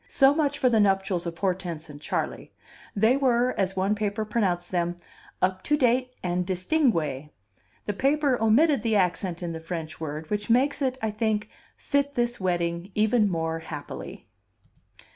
So much for the nuptials of Hortense and Charley; they were, as one paper pronounced them, "up to date and distingue." The paper omitted the accent in the French word, which makes it, I think, fit this wedding even more happily.